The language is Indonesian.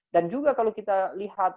dan juga kalau kita lihat